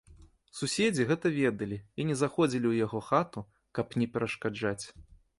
Суседзі гэта ведалі і не заходзілі ў яго хату, каб не перашкаджаць.